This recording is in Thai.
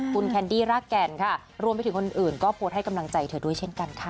คุณแคนดี้รากแก่นค่ะรวมไปถึงคนอื่นก็โพสต์ให้กำลังใจเธอด้วยเช่นกันค่ะ